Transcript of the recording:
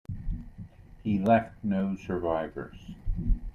He left no survivors.